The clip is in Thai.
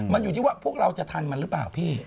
มันอยู่ที่ว่าพวกเราจะทันมันหรือเปล่าพี่